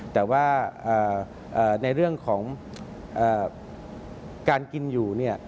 แต่ว่าในเรื่องของการกินอยู่เนี่ย